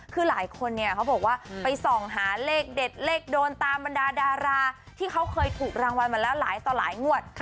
คือหลายคนเนี่ยเขาบอกว่าไปส่องหาเลขเด็ดเลขโดนตามบรรดาดาราที่เขาเคยถูกรางวัลมาแล้วหลายต่อหลายงวด